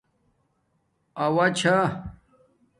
اݸا چھا